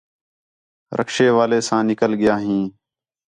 رکشے والے ساں نِکل ڳیا ہیں